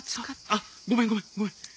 あっごめんごめんごめん。